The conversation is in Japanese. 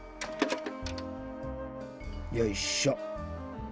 よいしょ。